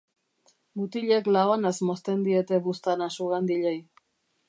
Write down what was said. Mutilek labanaz mozten diete buztana sugandilei.